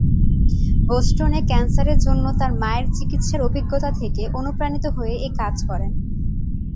বোস্টনে ক্যান্সারের জন্য তার মায়ের চিকিৎসার অভিজ্ঞতা থেকে অনুপ্রাণিত হয়ে এ কাজ করেন।